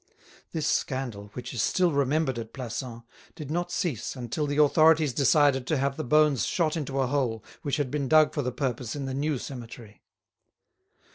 This scandal, which is still remembered at Plassans, did not cease until the authorities decided to have the bones shot into a hole which had been dug for the purpose in the new cemetery.